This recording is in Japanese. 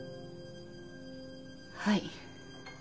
はい。